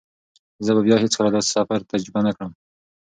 زه به بیا هیڅکله داسې سفر تجربه نه کړم.